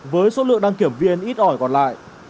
với số lượng đăng kiểm viên ít ỏi còn lại